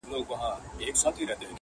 تاریخ د ملتونو ګډه شتمني ده